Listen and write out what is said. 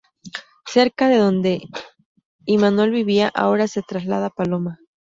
Cerca de donde Imanol vivía, ahora se traslada Paloma.